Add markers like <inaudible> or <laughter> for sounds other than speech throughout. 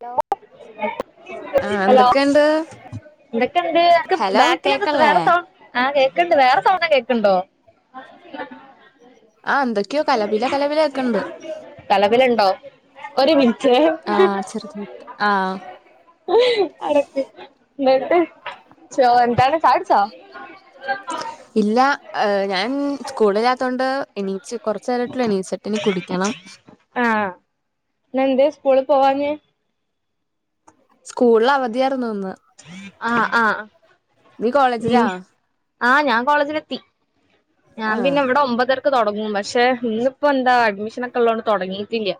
Hello ആഹ് hello എന്തൊക്കെയുണ്ട് ഇതൊക്കെ എന്ത് അനക്ക് ഹലോ ബാക്കിലെന്താ കേക്കല്ലേ വേറെ സോൺ ആഹ് കേക്ക്ണ്ട് വേറെ സൗണ്ടും കേക്ക്ണ്ടോ ആഹ് എന്തക്കെ കലപില കലപില കേക്ക്ൺണ്ട് കലപിലണ്ടോ ഒരുമിൻറ്റേ ആഹ് ചെറുതായിട്ട് ആഹ് അവിട്ക്ക് ന്ന്ട്ട് ചോ എന്താണ് ചായ കുടിച്ചോ ഇല്ലാ എഹ് ഞാൻ സ്കൂളില്യത്തോണ്ട് എണീച്ച് കൊറച്ച് നേരായ്ട്ടുള്ളു എണീച്ചിട്ട് ഇനി കുടിക്യണം ആഹ് ഇന്നെന്തേ സ്കൂളിൽ പോവാഞ്ഞേ സ്കൂൾള് അവധിയാർന്ന് ന്ന്. ആഹ് ആഹ് നീ കോളേജിലാ പിന്നെ ആഹ് ഞാൻ കോളേജിലെത്തി. ഞാൻ ആഹ് പിന്നെ ഇവടെ ഒമ്പതരക്ക് തൊടങ്ങും പഷെ ഇന്നിപ്പോ എന്താ അഡ്മിഷനൊക്കെ ഉള്ളോണ്ട് തൊടങ്ങീറ്റില്യ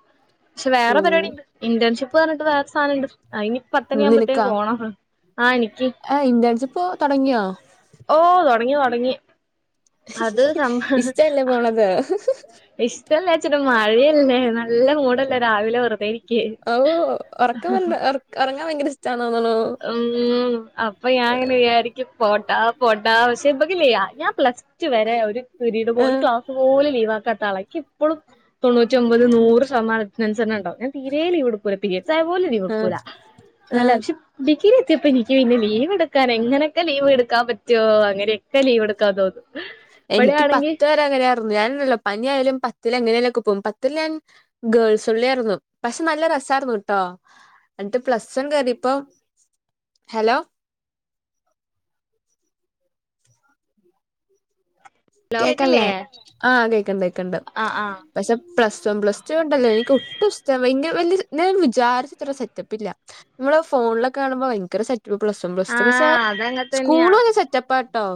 ഷെ ഓ വേറെ പരിപാടി ഇണ്ട് ഇന്റേൺഷിപ്പ് പറഞ്ഞിട്ട് വേറെ സാനണ്ട് ഐനി പത്തണിയാമ്പത്തേന് പോണം. ആഹ് എനിക്ക്. എഹ് ഇന്റേൺഷിപ്പ് തൊടങ്ങ്യോ ഓഹ് തൊടങ്ങി തൊടങ്ങി അത് സംഭ അതെ ഇഷ്ട്ടല്ലേച്ട്ട് മഴയല്ലേ നല്ല മൂടല്ലേ രാവിലെ വെറുതേ ഇരി ഓഹ് ഉറക്കം നല്ല ഉറക ഉറങ്ങാൻ ഭയങ്കര ഇഷ്ട്ടാണ് തോന്നുണു ഉം അപ്പൊ ഞാൻ ഇങ്ങനെ വിജാരി ക്ക് പോണ്ടാ പോണ്ടാ പക്ഷേ <unintelligible> ഞാ പ്ലസ് റ്റ് വരെ ഒരു പീരീഡ് പോലും ആഹ് ക്ലാസ് പോലും ലീവ് ആക്കാത്ത ആളാണ് ഇൻക് പളും തൊണ്ണൂറ്റി ഒമ്പത് നൂറ് ശതമാനത്തിന് അനുസരണ ഉണ്ടാവും ഞാൻതീരേ ലിവ് ഇട്ക്കൂല പിരീഡ്സായ പോലും ലീവ് ആഹ് ഇട്ക്കൂല ആഹ് നല്ല <unintelligible> ഡിഗ്രി എത്തിയപ്പോ ഇൻക്കി പിന്നെ ലീവ് ഇട്ക്കാൻ എങ്ങനെക്കെ ലീവ് ഇട്ക്കാം പറ്റൊ അങ്ങനെക്കെ ലീവ് ഇട്ക്കാം തോന്നും എനിക്ക് ഇവിടെയാണെങ്കി പത്ത് വരെ അങ്ങനെയായിരുന്നു ഞാന്ണ്ടല്ലോ പനി ആയാലും പത്തില് എങ്ങനെല്ലൊക്കെ പോവും പത്തില് ഞാൻ ഗേൾസ് ഒൺളി ആയിരുന്നു പക്ഷെ നല്ല രസായിരുന്നു ട്ടോ ന്ന്ട്ട് പ്ലസ് വൺ കേറിപ്പോ ഹലോ ഹലോ കേക്ക്ൺല്ലേ കേക്കില്ലേ ആ കേക്ക്ണ്ട് കേക്ക്ണ്ട് ആഹ് ആഹ് പക്ഷെ പ്ലസ് വൺ പ്ലസ് ടു ഉണ്ടല്ലോ എനിക്ക് ഒട്ടും ഇഷ്ടം ഭയങ്ക വല്ല്യ ഞാൻ വിചാരിച്ചത്ര സെറ്റപ്പില്ല നമ്മള് ഫോൺലൊക്ക കാണുമ്പോ ഭയങ്കര സെ പ്ലസ് വൺ പ്ലസ് ടു പക്ഷെ ആഹ് അതങ്ങനെ തന്നെയാ സ്കൂളുംന്നെ സെറ്റപ്പാട്ടോ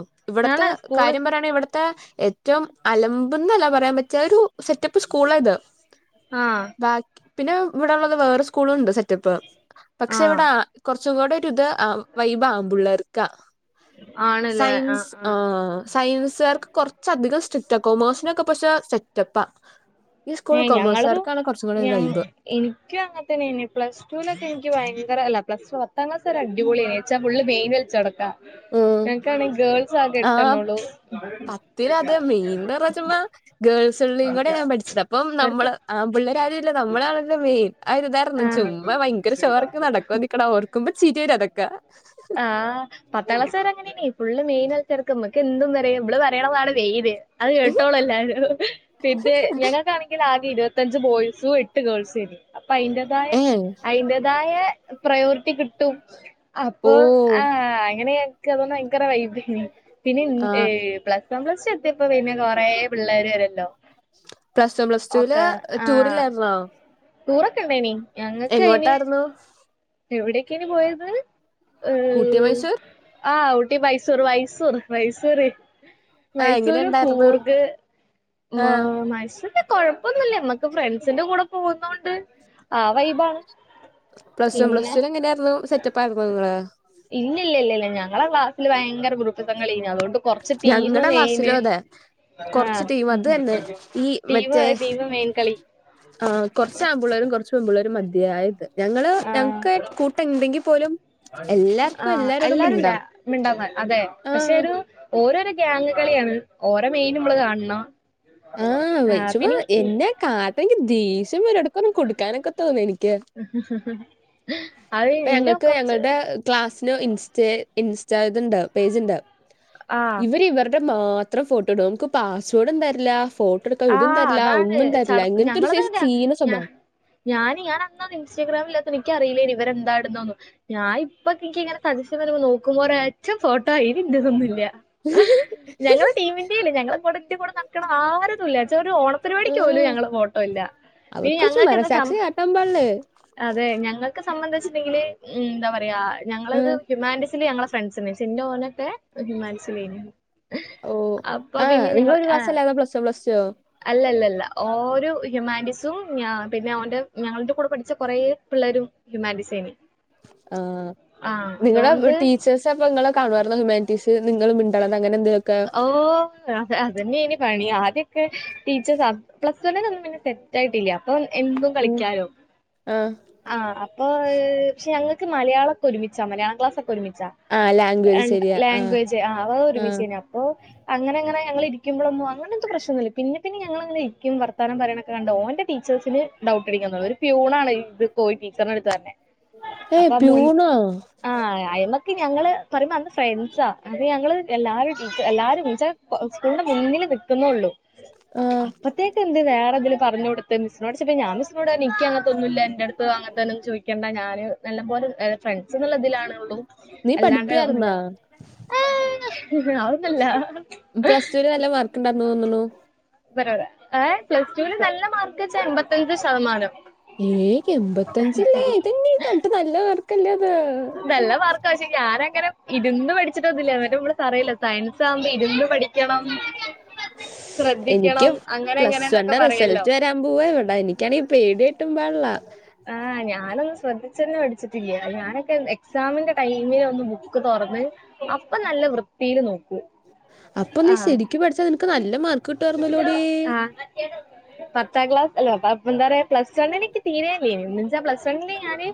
ഞാണ് ഇവട്ത്തെ സ്കൂള് കാര്യം പറയാണെങ്കി ഇവട് ത്ത ഏറ്റവും അലമ്പ് ന്നല്ല പറയാം പറ്റ ഒരു സെറ്റപ്പ് സ്കൂള ഇത് ആ ബാക്കി പിന്നെ ഇവടള്ളത് വേറെ സ്കൂള്ണ്ട് സെറ്റപ്പ് പക്ഷെ ആഹ് ഇവട കൊർച്ചും കൂടെ ഒര് ഇത് വൈബ് ആമ്പ്ള്ളേര്ക്കാ ആണ്ല്ലേ ആഹ് സൈൻസ് ആ ആഹ് സയൻസ്കാർക്ക് കൊർച്ച് അധികം സ്ട്രിക്റ്റ കോമേഴ്സിനൊക്കെ പക്ഷെ സെറ്റപ്പാ ഈ സ്കൂള് കോമേഴ്സാർക്കാണ് കൊർച്ചും കൂടെ വൈബ് ഇൻക്കി അങ്ങൻ തന്നെനി പ്ലസ് ടുവിലൊക്കെ എൻക്കി ഭയങ്കര അല്ല പ്ലസ് പത്താം ക്ലാസ് വരെ അടിപൊളിയേനി ച്ചാ ഫുള്ള് മെയി ച്ചടക്ക ഉം ആ എട്ടെണ്ണൊള്ളൂ പത്തില് അതെ മെയിൻ <unintelligible> ഗേൾസ് ഒൺളി കൂടെ ഞാൻ പഠിച്ചത് അപ്പം വെറുക്ക നമ്മള് ആൺപിള്ളേര് ആരുല്ല നമ്മള് ആണല്ലോ മെയിൻ അയൊരു ഇതാർന്നു ആ ചുമ്മ ഭയങ്കര ഷോ എറക്കി നടക്കും നിക്കണ ഓർക്കുമ്പോ ചിരി വര അതെക്കെ ആ പത്താം ക്ലാസ് വരെ അങ്ങനെന്നെ ഫുള്ള് മെയിനായിറ്റ് നടക്ക മ്മക്ക് എന്തും പറയാ നമ്മള് പറയണതാണ് മെയ്ന് അത് ഏഹ് കേട്ടോളു എല്ലാരും പിന്നെ ഞങ്ങക്കാണെങ്കില് ആകെ ഇരുവ ത്തഞ്ച് ബോയ്സും എട്ട് ഗേൾസു ഏനി അപ്പ അയിന്റേതായ അയിന്റേതായേ പ്രയോറിറ്റി കിട്ടും അപ്പൊ ഓഹ് ആ അങ്ങനെയ ക്ക് അവം ഭയങ്കര വൈബെനി പിന്നിൻ ആഹ് പ്ലസ് <unintelligible> പ്ലസ്ടു എത്തിപ്പ പിന്നെ കൊറെ പിള്ളേര് വരോല്ലോ പ്ലസ് വൺ പ്ലസ്ടൂല് ടൂറില്ലാര്ന്നോ ടൂറ് ഒക്കെ ഇണ്ടേനി എങ്ങോട്ടാർന്നു എവിടേക്കെനി പോയത് ഏ ഊട്ടി മൈസൂർ ആ ഊട്ടി മൈസൂർ മൈസൂർ മൈസൂര് ആ എങ്ങനെ മൈസൂര് ഉണ്ടായിരുന്നു കൂർഗ് മ ആ മൈസൂര് കൊഴപ്പൊന്നുല്ല നമ്മക്ക് ഫ്രണ്ട്സിന്റെ കൂടെ പോന്നോണ്ട് ആ വൈബാണ് പ്ലസ് വൺ പിന്നെ പ്ലസ് ഇല്ല ടുന് എങ്ങനാര്ന്നു സെറ്റപ്പ ആയിരുന്നൊ ഇങ്ങള് ഇല്ലല്ലല്ല ഞങ്ങളെ ക്ലാസ്സില് ഭയങ്കര ഗ്രുപ്പിസം കളിയേനി അതൊണ്ട് കൊർ ച്ച് ടീമ് ഞങ്ങളുടെ മെയിന് ക്ലാസ്സിലും അതെ കുറച്ച് ആഹ് ടീം അത് തന്നെ ഈ ടീമ് മറ്റേ ടീമ് മെയ്ൻ കളി ആ കൊർച്ച് ആൺമ്പുള്ളേരും കൊർച്ച് പെൺമ്പിള്ളേരും മതിയായത് ഞങ്ങള് ഞങ്ങക്ക് കൂട്ട ഇണ്ടെങ്കി പോലും ആ എല്ലാവർക്കും എല്ലാരോടും എല്ലാരുല്ല മിണ്ടാം മിണ്ടാന്ന് അതെ ആ പക്ഷെ ഒരു ഓരോരോ ഗ്യാങ് കളിയാണ് ഓര മെയിന് മ്മള് കാൺണം ആ പിന്നി കാട്ടെങ്കി ദേഷ്യം വരും എടക്കൊന്ന് കൊട്ക്കാനോക്ക തോന്നും എനി അത് ഇന്റെ കൊർച്ച് ക്ലാസ്സ്ന് ഇൻസ്റ്റെ ഇൻസ്റ്റ ത്ണ്ട് പേജ് ഇണ്ട് ആ ഇവര് ഇവർടെ മാ എത്ര ഫോട്ടോ ഇടും നമുക്ക് പാസ്‌വേഡും തരില്ല ഫോ ട്ടോഇടുക്കാൻ ആ ഇതും തരില്ല അതാണ് ഒന്നും ചട തരില്ല ഇങ്ങനത്തെ ഒരു ഞങ്ങളത് സൈസ് തന്നെയാ ചീഞ്ഞ ഞ സ്വഭാവം ഞാന് ഞാൻ അന്ന് ഇൻസ്റ്റഗ്രാമില്ലാത്ത എനിക്ക് അറിയില്ലേ ഇവരെ എന്താടുന്നേന്ന് ഞാൻ ഇപ്പൊ എനിക്ക് ഇങ്ങനെ സജഷ്യൻ വരുമ്പോൾ നോക്കുമ്പോ ഒറ്റ ഫോട്ടോ ആയിന്തൊന്നുമില്ല ഞങ്ങള് ടീമിന്റെ ഇല്ല ഞങ്ങള കൂടെ നടക്കണ ഇന്റെ കൂടെ നടക്കണ ആരും ല്ല ഒരു ഓണ പരിപാടിക്ക് പോലും ആഹ്. ഞങ്ങടെ ഫോട്ടോ ഇല്ല പി അവർക്ക് കുറച്ച് ഞങ്ങൾക്ക് എന്താ മനസാക്ഷി കാട്ടാൻ പാടില്ലേ. അതെ ഞങ്ങൾക്ക് സംബന്ധിച്ച് വെച്ചിട്ടണ്ടെങ്കില് എന്താ പറയാ ഞങ്ങളത് ആഹ്. ഹ്യൂമാനിസിൽ ഞങ്ങള ഫ്രണ്ട്സച്ചിന്റെ എൻ്റെ ഓനൊക്കെ ഹ്യുമാനിറ്റീസിലായിരുന്നു അപ്പൊ പിന്നെ ഞങ്ങള് ആ പ്ലസ്‌വൺ പ്ലസ്ടുവോ അല്ലല്ലല്ല ഓരോ ഹ്യുമാറ്റീസും പിന്നെ ഓന്റെ ഞങ്ങളുടെ കൂടെ പഠിച്ച കുറെപിള്ളേരും ഹ്യുമാനിറ്റീസാണ് ആഹ് നിങ്ങളടെ അതോണ്ട് ടീ ച്ചേഴ്സ് പ നിങ്ങളെ കാണുമായിരുന്ന ഹ്യൂമാനിറ്റീസ് നിങ്ങൾ മിണ്ടണത് അങ്ങന എന്തൊക്കെ ഓ അ അതന്നെ ഇനി പണി ആദ്യക്കെ ടീച്ചേഴസ് പ്ലസ്‌വൺ തന്നെ ഇതായിട്ടില്ല അപ്പൊ എന്നും ഉം. കളിക്കാലോ ആഹ്. ആഹ് അപ്പ പക്ഷെ ഞങ്ങൾക്ക് മലയാളമൊക്കെ ഒരുമിച്ചാ മലയാള ക്ലാസ്സൊക്കെ ഒരുമിച്ചാ ആഹ് ലാംഗ്വേജ് ശരിയാ. ആഹ്. ലാംഗ്വേജ് ആ അവ ആഹ്. ഒരുമിച്ചാ അപ്പൊ അങ്ങനെങ്ങനെ ഞങ്ങ ഇരിക്കുമ്പോളൊന്നും അങ്ങനെ പ്രശ്നൊന്നല്ല പിന്ന പിന്നെ ഞങ്ങളെ ഇരിക്കും വർത്താനം പറയൊക്കെ കണ്ട് ഓന്റെ ടീച്ചേഴ്സിന് ഡൗട്ട് അടിക്കാൻ ഒരു പിയൂൺ ആണ് ഇത് പോയി ടീച്ചറിനടുത്ത് പറഞ്ഞേ ഏയ് അപ്പൊ മുൻ പ്യൂണോ? ആഹ് അയ്മക്ക് ഞങ്ങള് പറയ്പോ അന്ന് ഫ്രണ്ട്സാ അത് ഞങ്ങള് എല്ലാവരും എല്ലാരും എന്നച്ചാ സ്കൂളിന്റെ മുന്നിൽ നിൽക്കുന്നുള്ളു ആഹ്. അപ്പ ത്തേക്ക് എന്ത് വേറെതിൽ പറഞ്ഞു കൊടുത്ത് മിസിനോട് ചോയിച്ചപ്പം ഞാ മിസ്സിനോട് എനിക്കനൊന്നും എന്റെടുത്ത് അങ്ങനത്തന്ന ചോദി ക്കണ്ടാ ഞാന് നല്ല പോലെ ഫ്രണ്ട്സ് എന്നുള്ള ഇതിലാണേ ഉള്ളൂ നീ അല്ലാണ്ട് ഒന്നുല്ല പഠിപ്പിയായിരുന്നാ? അവൊന്നല്ല പ്ലസ്ടുവിൽ നല്ല മാർക്ക്ണ്ടായിന്ന് തോന്നണു ഏ പ്ലസ് ടുവിൽ നല്ല മാർക്ക് വെച്ച എൺമ്പത്തഞ്ച് ശതമാനം ഏ എമ്പത്തഞ്ചില്ലേ ഇതെന്നീ തട്ട് നല്ല മാർക്കല്ലേ അത് നല്ലമാർക്കാ പക്ഷേ ഞാന് അങ്ങനെ ഇരുന്ന് പഠിച്ചിട്ടൊന്നുല്ല എതൊക്കെ ഇവട തറയില്ല സയൻസ് ആവുമ്പോ ഇരുന്നു പഠി ക്കണം എനിക്ക് ശ്രദ്ധിക്കണം അ പ്ലസ് വൺന്റെ റിസൾട്ട് വരാൻ പോവുവ ഇവിടാ എനിക്കാണെങ്കില് പേടിയായട്ടും പാടില്ല ആഹ് ഞാനൊന്നന്ന് ശ്രദ്ധിച്ചിരുന്നു പഠിച്ചിട്ടില്ല ഞാന് എക്സാമിന്റെ ടൈമിൽ ഒന്ന് ബുക്ക് തുറന്ന് അപ്പൊ നല്ല വൃ ത്തിയില് നോക്കൂ അപ്പൊ നീ ശരിക്ക് പഠിച്ചാ നിനക്ക് നല്ല മാർക്ക് കിട്ടുമായിരുന്നലോടി ആഹ് പത്താം ക്ലാസ് അല്ല എന്താ പറയാ പ്ലസ് വണ്ണിനനിക്ക് തീരേ ഇല്ലേയിരുന്ന് എന്നുവച്ചാ പ്ലസ് വണ്ണിന് ഞാന്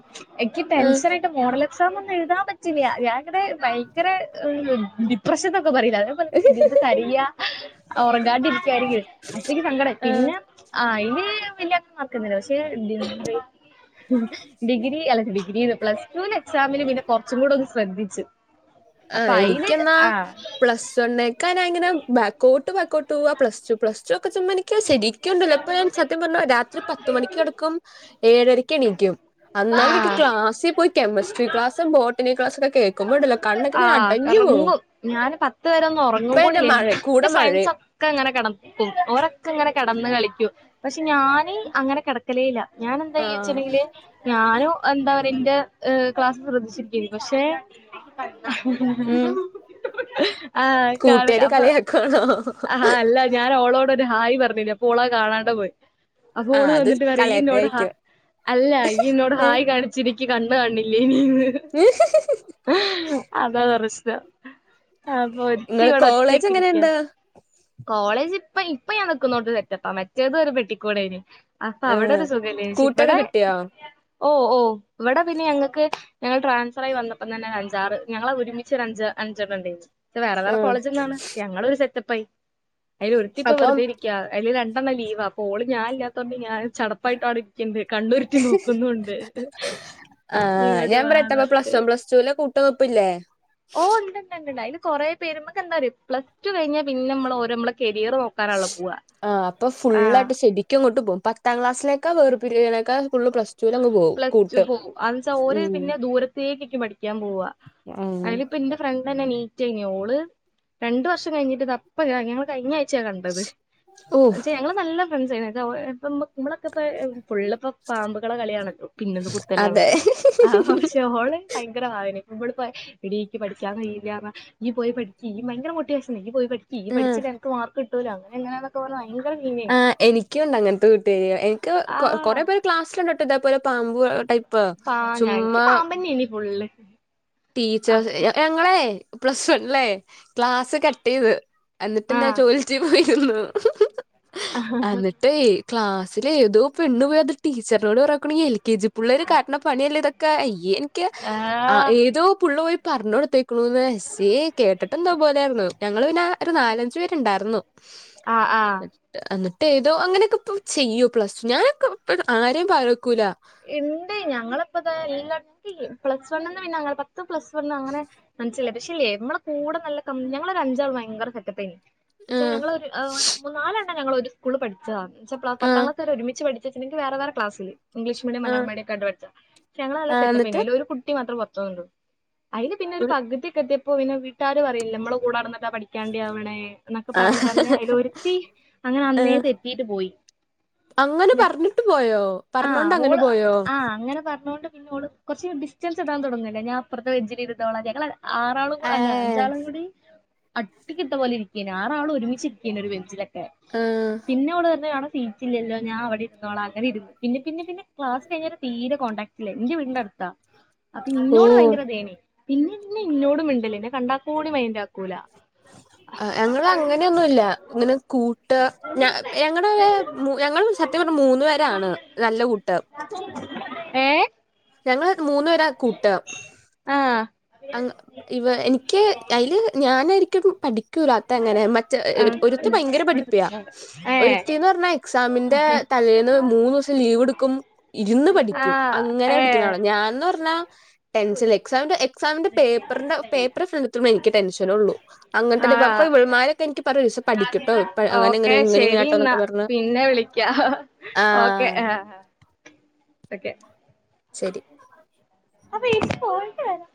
എനിക്ക് ആഹ് ടെൻഷൻ ആയിട്ട് മോഡൽ എക്സാം ഒന്നും എഴുതാൻ പറ്റില്ല ഞാനിങ്ങനെ ഭയങ്കര ഡി പ്രശ്നത്തൊക്കെ പറയില്ല അങ്ങനെ ഇരുന്ന് കരയാ ഉറങ്ങാതെ ഇരിക്കയിരിക്കും അപ്പ എനിക്ക് സങ്കടം ആയി ആഹ് പിന്നെ ആ അയിന് വലിയ പക്ഷെ എ ഡിഗ്രി അല്ലെ ഡിഗ്രി പ്ലസ് റ്റുവിൻ എക്സാമില് പിന്നെ കുറച്ചും കൂടെ ഒന്ന് ശ്രദ്ധിച്ചു ആ അപ്പൊ അയില് എനിക്കെന്നാ ആഹ് പ്ലസ് വണ് ക്കാ ഞാൻ അങ്ങനെ ബാക്കഔട്ട് ബാക്കഔട്ട് പോവുക പ്ലസ് ടു പ്ലസ് ടു ഒക്കെ ചുമ്മാ എനിക്ക് ശരി ക്കുണ്ടല്ലോ ഇപ്പൊ ഞാൻ സത്യം പറഞ്ഞ രാത്രി പത്ത് മണിക്ക് കിടക്കും ഏഴരക്കണീ ക്കും അന്നാല് എനിക്ക് ആഹ് ക്ലാസിൽ പോയി കെമിസ്ട്രി ക്ലാസ് ബോട്ടണി ക്ലാസ്സ് ഒക്കെ കേൾക്കുമ്പോണ്ടല്ലോ കണ്ണൊക്കെ ഇങ്ങനെ ആഹ് അടഞ്ഞു പോവും ഉറങ്ങും ഞാന് പത്ത് വരൊന്നും ഇപ്പ ഉറങ്ങും എന്നെ മഴ കൂടില്ലെനി കൂടെ എന്റെ മഴയും ഫ്രണ്ട്‌സ് ക്കെ ഇങ്ങനെ കിടക്കും ഓരൊക്കെ ഇങ്ങനെ കിടന്ന കളിക്കും പക്ഷെ ഞാന് അങ്ങനെ കിട ചെലേല ഞാൻ എന്താ ആഹ് ചെയ്യചെങ്കില് ഞാനും എന്താ പറയാ എന്റെ ക്ലാസ്സ് ശ്രദ്ധിച്ചിരിക്കനി പക്ഷെ ഉം <unintelligible> ആഹ് കാണ കൂട്ടുകാര് അപ്പൊ കളിയാക്കുവാണോ ആഹ് അല്ല ഞാൻ ഓളോട് ഇപ്പോ ഒരു ഹായ് പറഞ്ഞില്ലേ ഓള കാണാണ്ട് പോയി അപ്പോ ആഹ് ഓള് അത് വന്നിട്ട് പറ ഈന്നോട് ഹ കളിയാക്കലായിരിക്കും അല്ല ഈന്നോട് ഏഹ് ഹായി കാണി ചിരിക്ക് കണ്ണ് കാണില്ലേനിന്ന് ഉ അതാ പ്രശ്നം അപ്പൊ ഒരുത്തി നിങ്ങള് ഇവിടെ കോളേജ് ഒറ്റക്കിരിക്ക എങ്ങനെയുണ്ട് കോളേജ് ഇപ്പ ഇപ്പ ഞാൻ നിക്കുന്നോട്ട് സെറ്റപ്പാ മറ്റേത് ഒരു പെട്ടിക്കൂടെന് അപ്പൊ ആഹ് അവിടൊരു സുഖല്ല കൂട്ടൊക്കെ ഇവിടെ കിട്ടിയോ ഓ ഓ ഇവിടെ പിന്നെ ഞങ്ങക്ക് ഞങ്ങൾ ട്രാൻസ്ഫർ ആയി വന്നപ്പ തന്നെ അഞ്ചാറ് ഞങ്ങള് ഒരുമിച്ച് അഞ്ച് അഞ്ചെണ്ണണ്ടേനി ഇത് വേറെ വേറെ ആഹ് കോളജ്ന്നാണ് പക്ഷ ഞങ്ങളൊരു സെറ്റപ്പായി അതിൽ ഒരുത്തിപ്പ അപ്പം വെറുതിരിക്ക അതില് രണ്ടെണ്ണം ലീവാ അപ്പോ ഓള് ഞാനില്ലാ തോണ്ട് ഞാൻ ചടപ്പായിട്ട് അവിടെ ഇരിക്കണ്ട് കണ്ണുരുട്ടി നോക്കുന്നുണ്ട് ആഹ് ഇങ്ങോട്ട് ഞാൻ വാന്ന് <unintelligible> പറഞ്ഞിട്ട് പ്ലസ്‌വൺ പ്ലസ് ടുവിലെ കൂട്ട്ന്നുപ്പില്ലേ ഓ ഉണ്ടണ്ട് അതില് കുറെ പേര് നമുക്ക് എന്താന്നറിയോ പ്ലസ്ടു കഴിഞ്ഞാ പിന്നെ നമ്മള് ഓരോ നമ്മളെ കരിയർ നോ ആഹ് അപ്പൊ ഫുള്ളായിട്ട് ശരി കൊങ്ങോട്ട പോകും പത്താം ക്ലസിലേക്കാ വേർ പിരിയണേക്കാൽ കൂടുതൽ പ്ലസ്ടു പ്ലസ്ടു പോകും എന്നുവെച്ചാൽ ഓര് ഉം പിന്നെ ദൂര തേകൊക്കെ പഠിക്കാൻ പോവാ അയിലിപ്പ ഇന്റെ ഫ്രണ്ട്ന്നെ അനീറ്റനി ഓള് രണ്ട് വർഷം കഴിഞ്ഞിട്ടതാപ്പത ഞങ്ങള് കഴിഞ്ഞ ആഴ്ചയാ കണ്ടത് ഓഹ് ഞങ്ങള് നല്ല ഫ്രണ്ട്സ് ആയിരുന്നു എന്നുവെച്ച നമ്മളൊക്കെ ഇപ്പ ഫുള്ള്പ്പ പാമ്പ് മക്കള കളിയണല്ലോ പിന്നൊന്നു അതെ കുത്തലാണല്ലോ റ്റോള് ഭയങ്കര വായന ഇമ്മളിപ്പോ എടീക്ക് പഠിക്കാൻ കഴിയില്ലന്നർഞ്ഞാ ഇയ് പോയി പഠിക്ക് ഈ ഭയങ്കര മോട്ടിവേഷനാ ഇയ്യ് പോയി പഠിക്ക് ഇയ്യ് ആഹ് പഠിചില്ലേൽ എനക്ക് മാർക്ക് കിട്ടൂലോ അങ്ങന എങ്ങന ഭയങ്കര സീനേനി ആഹ് എനിക്കുണ്ട് അങ്ങനത്തെ കൂട്ടുകാരി എനിക്ക് ആഹ് കൊറെ പേർ ക്ലാസ്സിലുണ്ടട്ടോ ഇതേപോലെ പാമ്പു ടൈപ്പ് ചുമ്മാ പഠിപ്പെന്നെനി ഫുള്ള് ആഹ് ടീച്ചേഴസ് ഞങ്ങളെ പ്ലസ് വൺലേ ക്ലാസ് കട്ടയ്ത് എന്നിട്ട് ഞാൻ ആഹ് ടോയ്ലറ്റിൽ പോയിരുന്നു എന്നിട്ട് എന്നട്ടെ ക്ലാസ്സില് ഏതോ പെണ് പോയി അത് ടീച്ചറിനോട് പർഞ്ഞക്കണെ ഈ എൽ കെ ജി പുള്ളേര് കാട്ടണ പണിയല്ല ഇതൊക്കെ അയ്യേ എനിക്ക് ആ ആഹ് ഏതോ പുള്ള പോയി പറഞ്ഞു കൊടുത്തേക്കണുന്നേ അയ്യേ കേട്ട്ട്ടെന്തോ പോലെയാവുണ് ഞങ്ങള് പിന്നെ ഒരു നാലഞ്ചു പേരുണ്ടായിരുന്നു ആഹ് ആഹ് എന്നിട്ട് എന്നിട്ട് ഏതോ അങ്ങനെയൊക്കെ ഇപ്പോ ചെയ്യോ പ്ലസ്ടു ഞാനൊക്കെ ഇപ്പഴ് ആരെയും പാര വയ്ക്കൂല ഇണ്ട് ഞങ്ങളിപ്പതാ പ്ലസവണ്ന്ന് പിന്നെ പത്ത് പ്ലസവൺ അങ്ങനെ മനസ്സിലായി പക്ഷേല്ലേ നമ്മളെ കൂടെ നല്ല കമ്പിനി ഞങ്ങളൊരു അഞ്ചാൾ ഭയങ്കര സെറ്റപ്പേനി ആ പക്ഷെ ഞങ്ങളൊരു മുന്നാലെണ്ണം ഞങ്ങളൊരു സ്കൂള് പഠിച്ചതാ ആ പത്താം ക്ലാസ് വരെ ഒരുമിച്ച് പഠി ച്ച വേറെ വേറെ ക്ലാസില് ഇംഗ്ലീഷ് ഇംഗ്ലീഷ് മീഡിയം ആ മലയാളം മീഡിയക്കൊ ആയിട്ടാ പഠിച്ച പക്ഷേ ഞങ്ങളെല്ല ആ സെറ്റപ്പനി എന്നിട്ട് അതിൽ ഒരു കുട്ടി മാത്രം പുറത്ത്ന്നുള്ളു അതില് പിന്നെ ഒരു പകുതിക്കെ എത്തിയപ്പോ പിന്നെ വീട്ടാര് പറയില്ലേ നമ്മള കൂടെ നടന്നിട്ടാ പഠിക്കാണ്ടി ആവണെ എന്നൊക്കെ ആ പറഞ്ഞ് പറഞ്ഞ് അതില് ഒരുത്തി അങ്ങനെ ആ അന്നേ തെറ്റീട്ട് പോയി അങ്ങനെ മ പറഞ്ഞിട്ട് പോയോ ആഹ് പറഞ്ഞോണ്ട് അങ്ങനെ ഓള് പോയോ ആഹ് അങ്ങനെ പറഞ്ഞൊണ്ട് പിന്നെ ഓള് കുറച്ച് ഡിസ്റ്റൻസ് ഇടാൻ തുടങ്ങുല്ലേ ഞാൻ അപ്പുറത്തെ ബെഞ്ചിൽ ഇരുന്നോളാം ഞങ്ങള് ആറാളും ഏ കൂടെ അല്ല അഞ്ചാളും കൂടി അട്ടിക്കിട്ട പോലെ ഇരിക്കാണ് ആറാള് ഒരുമിച്ചിരിക്കാണ് ഒരു ബെഞ്ചിലൊക്കെ ആ പിന്നെ ഓള് പറഞ്ഞ് ഞാട സീ സീറ്റില്ലല്ലോ ഞാൻ അവിടെ ഇരുന്നോള അങ്ങന ഇരുന്നു പിന്നെ പിന്നെ പിന്നെ ക്ലാസ് കഴിഞ്ഞ തീരെ കോണ്ടാക്ടില്ല എന്റെ വീടിന്റെ അടുത്താ അപ്പൊ ഇന്നോട് ഓ ഭയങ്കര ഇതേന്ന് പിന്നെന്നെ ഇന്നോടും മിണ്ട്ല്ല ഇന്നെ കണ്ടാക്കൂടി മൈന്റാ അഹ് ഞങ്ങളും അങ്ങനെയൊന്നൂല്ല ഇങ്ങനെ കൂട്ട് ഞ ഞങ്ങടെ ഞങ്ങള് സത്യം പറഞ്ഞ മൂന്നു പേരാണ് നല്ല കൂട്ട് ഏഹ് ഞങ്ങള് മൂന്നുപേരാ കൂട്ട് ആഹ് അങ് ഇവ എനിക്ക് അയില് ഞാനായിരിക്കും പഠി ക്കൂലാത്ത അങ്ങനെ മറ്റേ ഒരുത്തി ആഹ് ഭയങ്കര പഠിപ്പ്യാ ഏഹ് ഒരുത്തിന്ന് പറഞ്ഞാ എക്സാമിന്റെ തലേന്ന് മൂന്നൂസം ലീവ് ഇടുക്കും ഇരുന്ന് പഠിക്കും ആഹ് അങ്ങനെ ഏഹ് പഠിക്കുന്നആളാ ഞാൻന്ന് പറഞ്ഞാ ടെൻസ്ൽ എക്സാമിന്റെ എക്സാമിന്റെ പേപ്പറിന്റെ പേപ്പർ ഫ്രണ്ടെത്തുമ്പോ എനിക്ക് ടെൻഷനൊള്ളൂ അങ്ങനത്തൊക്കെ അപ്പ ആഹ് ഇവൾമാര് എനിക്ക് പറയും ഒരീസം പഠിക്ക്‌ട്ടോ ഇപ്പ അങ്ങനെ എങ്ങനെ ഓക്കെ ഇങ്ങനെ ശരി എന്നാ ഇങ്ങനാട്ടോന്നൊക്കെ പറഞ്ഞ് പിന്നെ വിളിക്കാ ഓക്കെ ആഹ് ഓക്കെ ശരി അപ്പൊ ഇജ് പോയിട്ട് വരാ